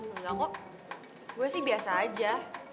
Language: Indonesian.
enggak mau gue sih biasa aja